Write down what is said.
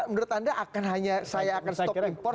menurut anda akan hanya saya akan stop impor